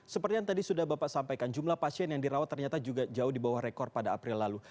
seperti yang tadi sudah bapak sampaikan jumlah pasien yang dirawat ternyata juga jauh di bawah rekor pada april lalu